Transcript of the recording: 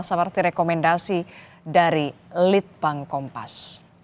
seperti rekomendasi dari litbang kompas